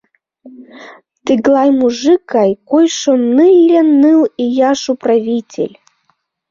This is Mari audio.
Тыглай мужик гай койшо нылле ныл ияш управитель.